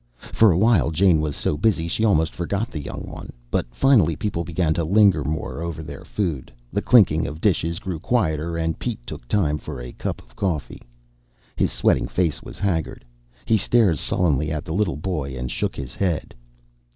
For a while Jane was so busy she almost forgot the young one. But finally people began to linger more over their food, the clinking of dishes grew quieter and Pete took time for a cup of coffee. His sweating face was haggard. He stared sullenly at the little boy and shook his head.